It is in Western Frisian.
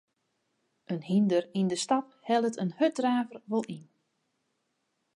In hynder yn 'e stap hellet in hurddraver wol yn.